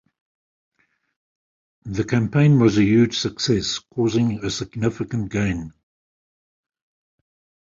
The campaign was a huge success, causing a significant gain.